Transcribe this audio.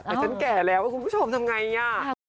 แต่ฉันแก่แล้วคุณผู้ชมทำไงอ่ะ